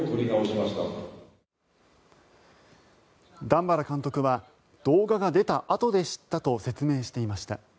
段原監督は動画が出たあとで知ったと説明していました。